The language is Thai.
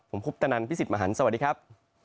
ผมคุปตะนันพี่สิทธิ์มหันฯสวัสดีครับ